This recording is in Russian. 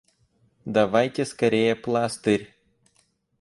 Давайте скорее пластырь!